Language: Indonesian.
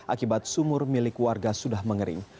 akibat sumur milik warga sudah mengering